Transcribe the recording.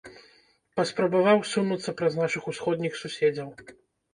Паспрабаваў сунуцца праз нашых усходніх суседзяў.